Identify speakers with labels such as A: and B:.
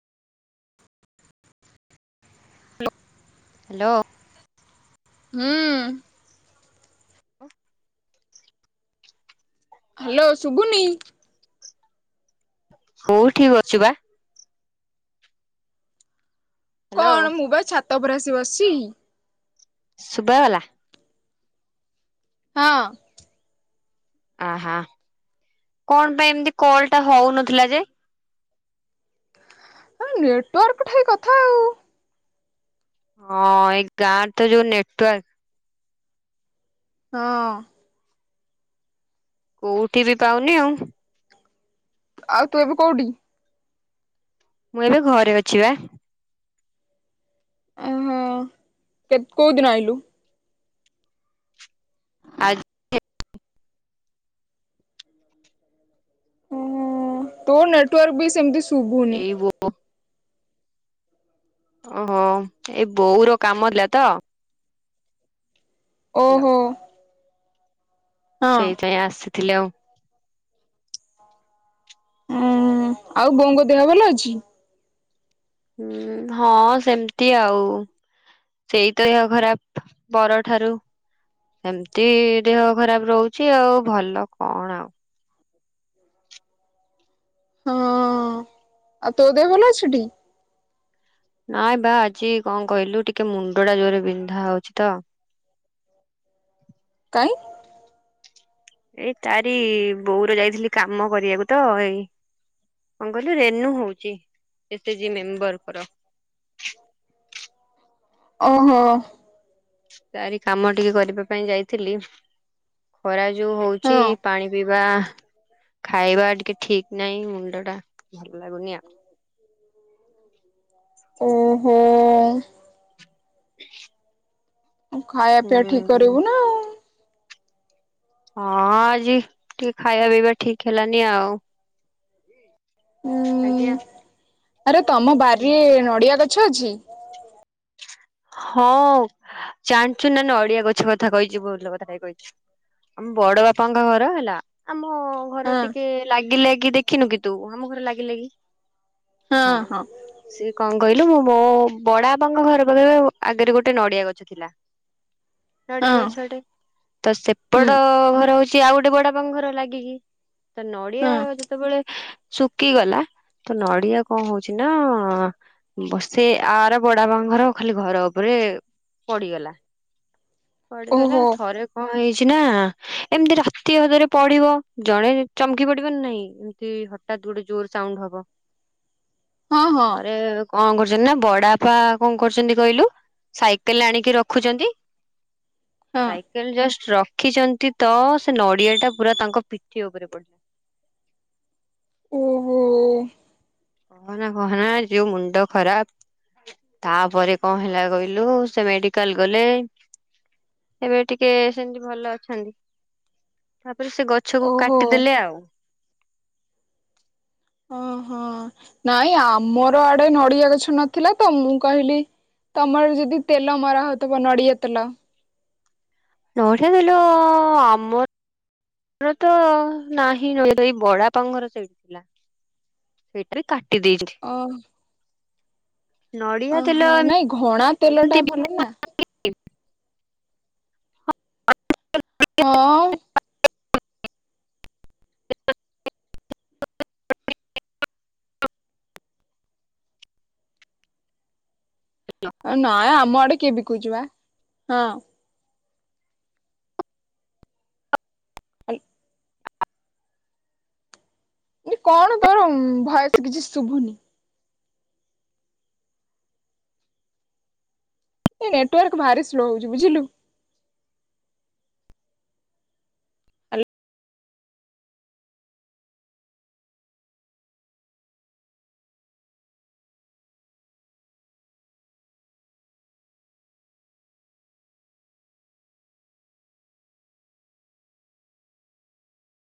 A: Hello.
B: ହୁଁ।
A: [unintelligible]
B: Hello ଶୁବୁନି।
A: [unintelligible] ଅଛି ବା। ହ୍ୟାଲୋ
B: କଣ ମୁଁ ବା ଛାତ ଉପରେ ଆସି ବସିଛି।
A: ଶୁଭାଗଲା?
B: ହଁ।
A: ଆହା କଣ ପାଇଁ ଏମତି କଲ ଟା ହଉନଥିଲା ଯେ?
B: ହ ନେଟୱାର୍କ ଠାଇ କଥା ଆଉ।
A: ହଁ ଏଇ ଗାଁରେ ତ ଯୋଉ ନେଟୱାର୍କ।
B: ହଁ।
A: କୋଉଠି ବି ପାଉନି ଆଉ।
B: ଆଉ ତୁ ଏବେ କୋଉଠି?
A: ମୁଁ ଏବେ ଘରେ ଅଛି ବା।
B: ଅହୋ କେ କୋଉ ଦିନ ଆଇଲୁ?
A: ଆ [unintelligible]
B: ଉମ ତୋ ନେଟୱାର୍କ ବି ସେମତି ଶୁଭୁନି।
A: [unintelligible] ଓହୋ ଏଇ ବୋଉର କାମ ଥିଲା ତ ହ୍ୟାଲୋ
B: ଓହୋ। ହଁ।
A: ସେଇଥିପାଇଁ ଆସିଥିଲି ଆଉ।
B: ହୁଁ ଆଉ ବୋଉଙ୍କ ଦେହ ଭଲ ଅଛି?
A: ହୁଁ ହଁ ସେମ୍ତି ଆଉ। ସେଇ ଦେହ ଖରାପ ପରଠାରୁ ସେମ୍ତି ଦେହ ଖରାପ ରହୁଛି ଆଉ ଭଲ କଣ ଆଉ।
B: ହଁ ଆଉ ତୋ ଦେହ ଭଲ ଅଛିଟି?
A: ନାଇଁ ବା ଆଜି କଣ କହିଲୁ ଟିକେ ମୁଣ୍ଡ ଟା ଜୋରେ ବିନ୍ଧା ହଉଛି ତ।
B: କାଇଁ?
A: ଏଇ ତାରି ବୋଉର ଯାଇଥିଲି କାମ କରିବାକୁ ତ ଏଇ କଣ କହିଲୁ ରେନୁ ହଉଛି ଏସ୍ ଏଜି ମେମ୍ବରଙ୍କର।
B: ଓହୋ।
A: ତାରି କାମ ଟିକେ କରିବା ପାଇଁ ଯାଇଥିଲି। ଖରା ଯୋଉ ହଉଛି
B: ହଁ।
A: ପାଣି ପିଇବା ଖାଇବା ଟିକେ ଠିକ୍ ନାହିଁ, ମୁଣ୍ଡଟା ଭଲ ଲାଗୁନି ଆଉ।
B: ଓହୋ। ଖାଇବା ପିଇବା ଠିକ
A: ହୁଁ।
B: କରିବୁ ନା। ଆଉ।
A: ହଁ ଆଜି ଟିକେ ଖାଇବା ପିଇବା ଠିକ୍ ହେଲାନି ଆଉ। ଆଜ୍ଞା।
B: ଉଁ ଆରେ ତମ ବାରିରେ ନଡିଆ ଗଛ ଅଛି?
A: ହଁ ଜାଣିଛୁ ନା-ନା ଅଡିଆ ଗଛ କଥା କହିଚୁ ଭଲ କଥାଟାଏ କହିଚୁ। ଆମ ବଡ ବାପାଙ୍କ ଘର ହେଲା ଆମ ଘର
B: ହଁ
A: ଟିକେ ଲାଗି-ଲାଗି ଦେଖିନୁ କି ତୁ ଆମ ଘର ଲାଗି-ଲାଗି
B: ହଁ ହଁ।
A: ସିଏ କଣ କହିଲୁ ମୁଁ ମୋ ବଡ ବାପାଙ୍କ ଘର ଆଗେରେ ଗୋଟେ ନଡିଆ ଗଛ ଥିଲା। ନଡିଆ
B: ହଁ
A: ଗଛଟେ, ତ
B: ହୁଁ
A: ସେପଟ ଘର ହଉଛି ଆଉ ଗୋଟେ ବଡାପାଙ୍କ ଘର ଲାଗିକି। ତ
B: ହଁ
A: ନଡ଼ିଆ ଯେ ତବେଳେ ଶୁକିଗଲା ତ ନଡିଆ କଣ ହଉଛି ନା ବର୍ଷେ ଆର ବଡାପାଙ୍କ ଘର ଖାଲି ଘର ଉପରେ ପଡିଗଲା-ପଡିଗଲା
B: ଓହୋ
A: ଥରେ କଣ ହେଇଛି ନା ଏମ୍ତି ରାତି ଅଧରେ ପଡିବ, ଜଣେ ଚମକି ପଡିବ ନା ନାଇଁ? ଯେମ୍ତି ହଠାତ୍ ଗୋଟେ ଜୋରେ ସାଉଣ୍ଡ ହବ।
B: ହଁ ହଁ
A: ଥରେ କଣ କରୁଛନ୍ତି ନା ବଡାପା କଣ କରୁଚନ୍ତି କହିଲୁ ସାଇକେଲ ଆଣିକି ରଖୁଚନ୍ତି,
B: ହଁ
A: ସାଇ କେଲ୍ ଜଷ୍ଟ ରଖିଛନ୍ତି ତ ସେ ନଡିଆଟା ପୁରା ତାଙ୍କ ପିଠି ଉପରେ ପଡିିଲା।
B: ଓହୋ।
A: କହନା-କହନା ଯୋଉ ମୁଣ୍ଡ ଖରାପ୍। ତାପରେ କଣ ହେଲା କହିଲୁ ସେ ମେଡିକାଲ୍ ଗଲେ। ଏବେ ଟିକେ ସେନ୍ତି ଭଲ ଅଛନ୍ତି, ତାପରେ ସେ ଗ ଛକୁ
B: ଓହୋ
A: କାଟିଦେଲେ ଆଉ।
B: ଓହୋ ନାଇଁ ଆମର ଆଡେ ନଡିଆ ଗଛ ନଥିଲା ତ, ମୁଁ କହିଲି ତମର ଯଦି ତେଲ ମରା ହଉଥିବ ନଡିଆ ତେଲ।
A: ନଡିଆ ତେଲ ଆମର ର ତ ନାହିଁ [unintelligible] ଏଇ ବଡାପାଙ୍କର ସେଇଟି ଥିଲା। ସେଇଟା ବି କାଟି [unintelligible]
B: ଓ
A: ନଡିଆ ତେଲ
B: ଓହୋ ନାଇଁ ଘଣା ତେଲଟା
A: ଏମିତି
B: ଭଲ ନା।
A: [unintelligible]
B: ହଁ। ନାଇଁ ଆମ ଆଡେ କିଏ ବିକୁଛି ବା ହଁ। ହାଲ ମୁଁ କଣ ତୋର ଭୟେସ୍ କିଛି ଶୁଭୁନି। ଏ ନେଟୱାର୍କ ଭାରି ସ୍ଲୋ ହଉଛି ବୁଝିଲୁ।